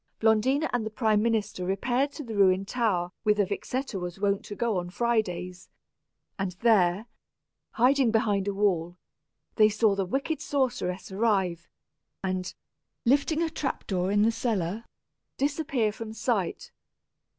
Blondina and the prime minister repaired to the ruined tower whither Vixetta was wont to go on Fridays; and there, hiding behind a wall, they saw the wicked sorceress arrive and, lifting a trap door in the cellar, disappear from sight.